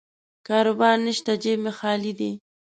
کاروبار نشته، جیب مې خالي دی.